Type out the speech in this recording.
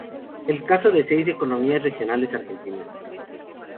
El caso de seis economías regionales argentinas.